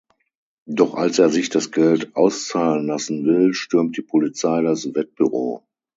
Doch als er sich das Geld auszahlen lassen will stürmt die Polizei das Wettbüro.